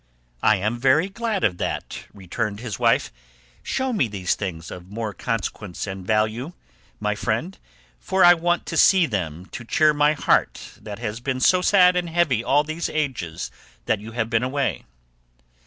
"I am very glad of that," returned his wife; "show me these things of more value and consequence, my friend; for I want to see them to cheer my heart that has been so sad and heavy all these ages that you have been away."